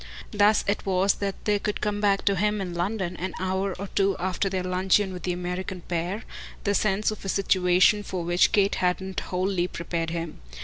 Thus it was that there could come back to him in London, an hour or two after their luncheon with the American pair, the sense of a situation for which Kate hadn't wholly prepared him.